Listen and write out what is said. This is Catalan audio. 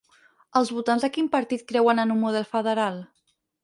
Els votants de quin partit creuen en un model federal?